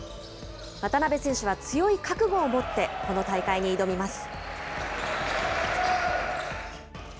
渡邊選手は強い覚悟を持って、この大会に挑みます。